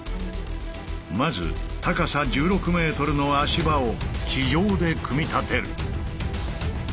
まず高さ１６ｍの足場を地上で組み立てる。